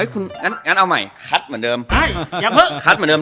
เอ้ยคุณงั้นงั้นเอาใหม่คัดเหมือนเดิมเห้ยอย่ากระเผิดคัดเหมือนเดิม